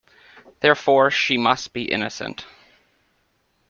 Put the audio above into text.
Therefore she must be innocent!